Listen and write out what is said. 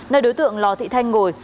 nơi đối tượng lò thị thanh ngồi